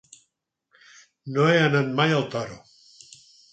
No he anat mai al Toro.